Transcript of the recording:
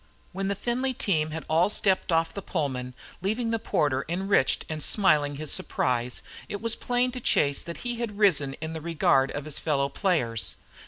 When the Findlay team had all stepped off the Pullman, leaving the porter enriched and smiling his surprise, it was plain to Chase that he had risen in the regard of his fellow players.